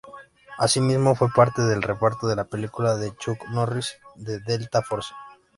Asimismo fue parte del reparto de la película de Chuck Norris, "The Delta Force".